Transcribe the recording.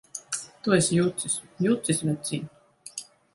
Tu esi jucis! Jucis, vecīt!